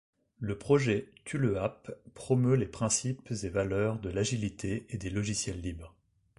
Le projet Tuleap promeut les principes et valeurs de l'agilité et des logiciels libres.